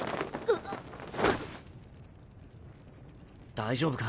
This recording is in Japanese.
大丈夫か？